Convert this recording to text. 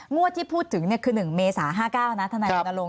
งวดที่พูดถึงคือ๑เมษา๕๙นะธนาฬิงอลง